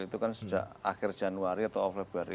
itu kan sejak akhir januari atau off lebar